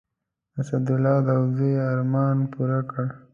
اسدالله داودزي ارمان پوره کړ.